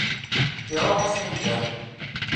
Iruḥ-as nnudam.